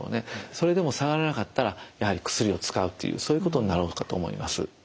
それでも下がらなかったらやはり薬を使うというそういうことになろうかと思います。